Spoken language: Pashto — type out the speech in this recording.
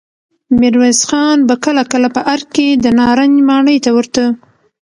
ميرويس خان به کله کله په ارګ کې د نارنج ماڼۍ ته ورته.